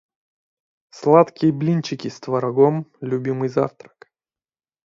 Сладкие блинчики с творогом - любимый завтрак.